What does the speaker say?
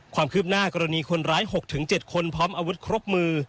ความคืบหน้ากรณีคนร้าย๖๗คนพร้อมอาวุธครบมือ